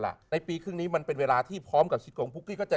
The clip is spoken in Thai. ในปีครึ่งนี้มันเป็นเวลาที่พร้อมกับคิดของปุ๊กกี้ก็จะ